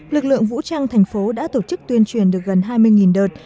lực lượng vũ trang thành phố đã tổ chức tuyên truyền được gần hai mươi đợt